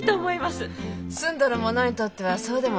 住んどる者にとってはそうでもないんですけどね。